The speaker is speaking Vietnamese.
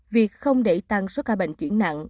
việc không để tăng số ca bệnh chuyển nặng